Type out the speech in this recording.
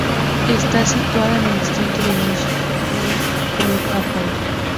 Está situada en el distrito de Nishi-shinjuku en Shinjuku, Tokio, Japón.